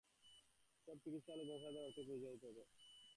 সে-সব চিকিৎসালয় জনসাধারণের অর্থেই পরিচালিত হত।